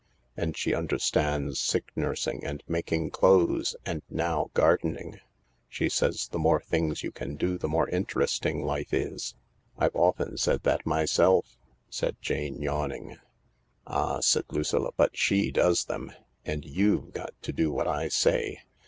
And she understands sick nursing, and making clothes, and now gardening. She says the more things you can do the more interesting life is." " I've often said that myself," said Jane, yawning. " Ah," said Lucilla, " but she does them. And you'vs got to do what I say.